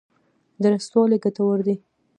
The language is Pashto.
درستوالی ګټور دی.